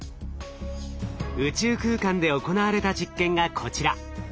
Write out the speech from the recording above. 宇宙空間で行われた実験がこちら。